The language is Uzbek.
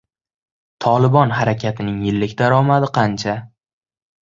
«Tolibon» harakatining yillik daromadi qancha?